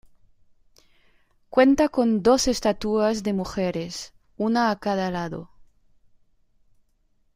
Cuenta con dos estatuas de mujeres, una a cada lado.